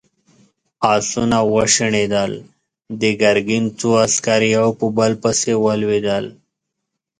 آسونه وشڼېدل، د ګرګين څو عسکر يو په بل پسې ولوېدل.